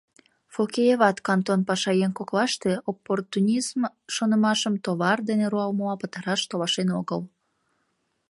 Фокееват кантон пашаеҥ коклаште оппортунизм шонымашым товар дене руалмыла пытараш толашен огыл.